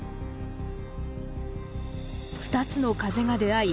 ２つの風が出会い